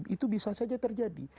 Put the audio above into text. itu bisa saja terjadi